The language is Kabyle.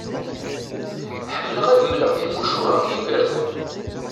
Ḥemmleɣ ad d-mleɣ timucuha i yigerdan.